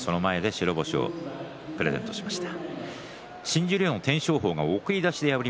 白星をプレゼントしました。